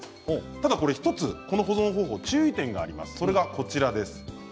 ただ１つ、この保存方法注意点があります。